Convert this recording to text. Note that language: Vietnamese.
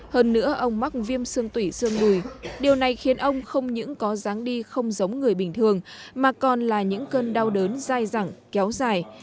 hơn nữa ông mắc viêm xương tủy xương bùi điều này khiến ông không những có dáng đi không giống người bình thường mà còn là những cơn đau đớn dai dẳng kéo dài